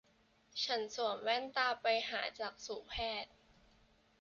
ฉันสวมแว่นตาไปหาจักษุแพทย์